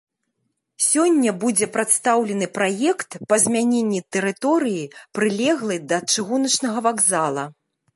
Сёння будзе прадстаўлены праект па змяненні тэрыторыі, прылеглай да чыгуначнага вакзала.